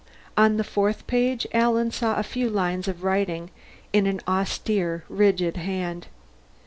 On the fourth page, Alan saw a few lines of writing, in an austere, rigid hand.